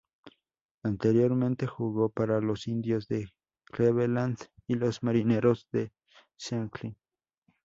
Anteriormente jugó para los Indios de Cleveland y los Marineros de Seattle.